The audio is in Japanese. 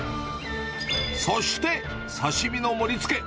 そして、刺身の盛りつけ。